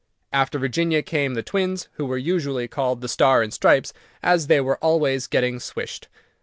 After Virginia came the twins, who were usually called "The Star and Stripes," as they were always getting swished.